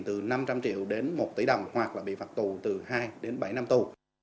từ năm trăm linh triệu đến một tỷ đồng hoặc là bị phạt tù từ hai đến bảy năm tù